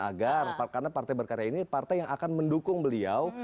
agar karena partai berkarya ini partai yang akan mendukung beliau